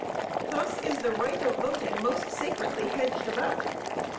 Thus is the right of voting most sacredly hedged about.